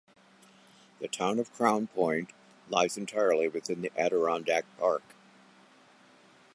The town of Crown Point lies entirely within the Adirondack Park.